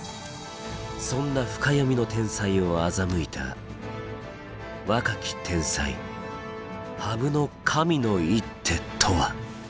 そんな深読みの天才をあざむいた若き天才羽生の神の一手とは？